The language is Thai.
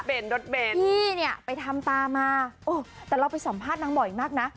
พี่เนี่ยไปทำตามาโอ๊ยแต่เราไปสัมภาษณ์กับน้องบ่อยก็มากนะ